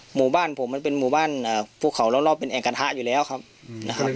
หมู่บ้านผมมันเป็นหมู่บ้านภูเขารอบเป็นแอ่งกระทะอยู่แล้วครับนะครับ